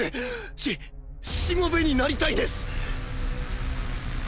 ししもべになりたいです！